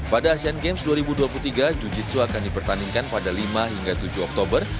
pada asean games dua ribu dua puluh tiga jujitsu akan dipertandingkan pada lima hingga tujuh oktober